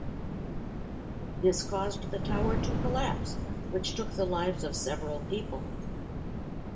This caused the tower to collapse, which took the lives of several people.